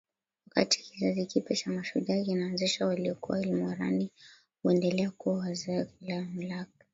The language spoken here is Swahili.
Wakati kizazi kipya cha mashujaa kinaanzishwa waliokuwa ilmorani huendelea kuwa wazee bila mamlaka